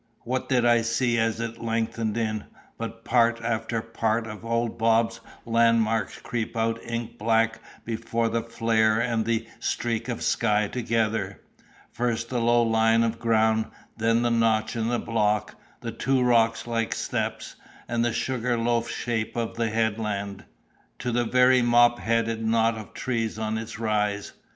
what did I see as it lengthened in, but part after part of the old Bob's landmarks creep out ink black before the flare and the streak of sky together—first the low line of ground, then the notch in the block, the two rocks like steps, and the sugar loaf shape of the headland, to the very mop headed knot of trees on its rise!